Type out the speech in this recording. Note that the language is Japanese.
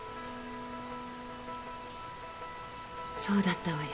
そうだったわよ。